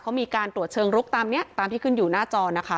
เขามีการตรวจเชิงลุกตามนี้ตามที่ขึ้นอยู่หน้าจอนะคะ